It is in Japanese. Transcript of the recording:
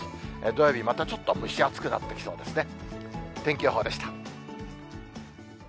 土曜日またちょっと蒸し暑くなってきそうですね。